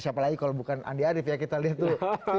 siapa lagi kalau bukan andi arief ya kita lihat dulu